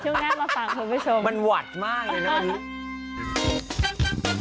ช่วงหน้ามาฟังคุณผู้ชม